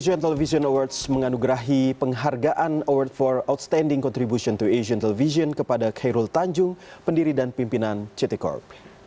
asian television awards menganugerahi penghargaan award for outstanding contribution to asian television kepada khairul tanjung pendiri dan pimpinan ct corp